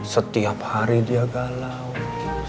setiap hari dia berubah pikirnya dengan rina